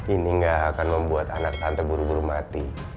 ini gak akan membuat anak tante buru buru mati